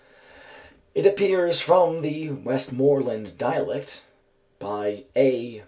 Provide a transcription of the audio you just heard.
It appears from "The Westmoreland Dialect," by A.